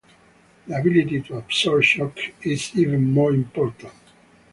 The ability to absorb shock is even more important.